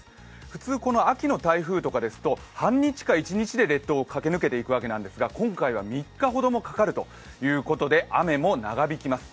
普通、この秋の台風とかですと半日から１日で列島を駆け抜けていくわけなんですが、今回は３日ほどかかるということで雨も長引きます。